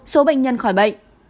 một số bệnh nhân khỏi bệnh